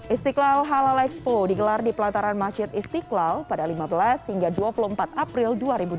istiqlal halal expo digelar di pelataran masjid istiqlal pada lima belas hingga dua puluh empat april dua ribu dua puluh